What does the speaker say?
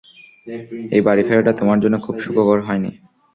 এই বাড়ি ফেরাটা তোমার জন্য খুব সুখকর হয়নি।